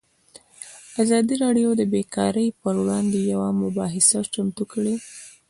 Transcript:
ازادي راډیو د بیکاري پر وړاندې یوه مباحثه چمتو کړې.